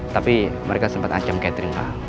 tapi mereka sempet ancam catherine pak